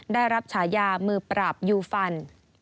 ได้รับฉายามือปราบยูฟัน